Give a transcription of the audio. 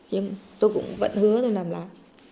nhưng tôi cũng vẫn hứa tôi làm lắm